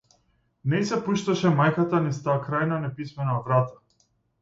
Не и се пушташе мајката низ таа крајно неписмена врата.